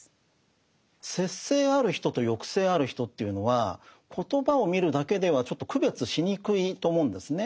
節制ある人と抑制ある人というのは言葉を見るだけではちょっと区別しにくいと思うんですね。